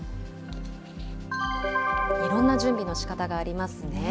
いろんな準備のしかたがありますね。